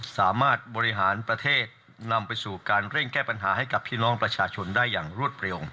สามารถบริหารประเทศนำไปสู่การเร่งแก้ปัญหาให้กับพี่น้องประชาชนได้อย่างรวดเร็ว